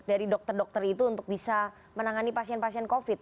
dari dokter dokter itu untuk bisa menangani pasien pasien covid